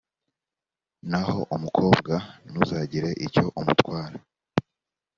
naho umukobwa, ntuzagire icyo umutwara,